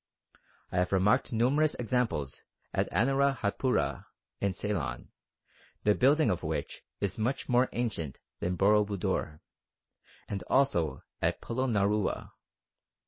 I have remarked numerous examples at Anuradhapura in Ceylon, the building of which is much more ancient than Boro Budor, and also at Polonnaruwa....